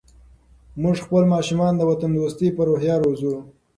موږ خپل ماشومان د وطن دوستۍ په روحیه روزو.